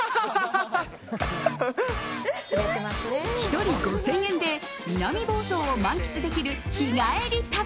１人５０００円で南房総を満喫できる日帰り旅。